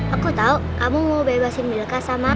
aku tau kamu mau bebasin milka sama